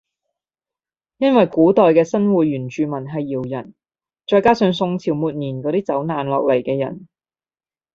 因為古代嘅新會原住民係瑤人再加上宋朝末年嗰啲走難落嚟嘅人